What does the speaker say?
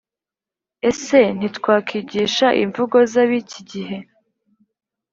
Ese ntitwakwigisha imvugo zabiki gihe